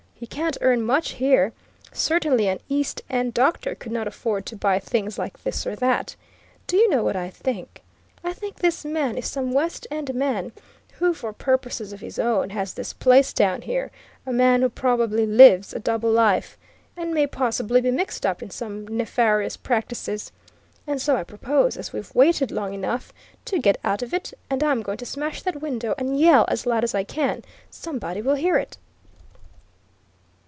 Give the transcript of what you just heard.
He can't earn much here; certainly an East End doctor could not afford to buy things like this or that. Do you know what I think? I think this man is some West End man, who for purposes of his own has this place down here a man who probably lives a double life, and may possibly be mixed up in some nefarious practices. And so I propose, as we've waited long enough, to get out of it, and I'm going to smash that window and yell as loud as I can somebody will hear it!"